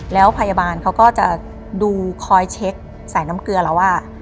แล้วพยาบาลเขาก็จะดูคอยเช็คสายน้ำเกลือเราว่า